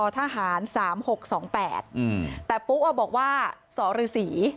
แต่ปุ๊กก็บอกว่าสฤศ